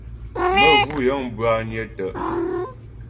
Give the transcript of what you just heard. Məvʉ́ yə̂ŋ bwányə́ tə́'.